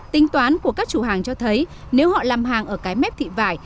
tính toán của các chủ hàng cho thấy nếu họ làm hàng ở cái mép thị vải